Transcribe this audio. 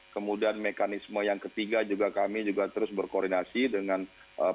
kemudian mekanisme yang ketiga juga kami juga terus berkoordinasi dengan pemerintah